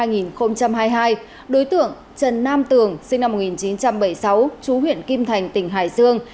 năm hai nghìn hai mươi hai đối tượng trần nam tường sinh năm một nghìn chín trăm bảy mươi sáu chú huyện kim thành tỉnh hải dương